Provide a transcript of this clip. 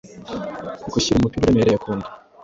gushyira umupira uremereye kunda